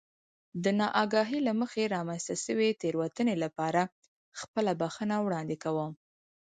د نااګاهۍ له مخې رامنځته شوې تېروتنې لپاره خپله بښنه وړاندې کوم.